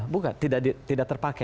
bukan tidak terpakai